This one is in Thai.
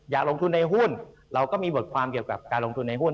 อยากลงทุนในหุ้นเราก็มีบทความเกี่ยวกับการลงทุนในหุ้น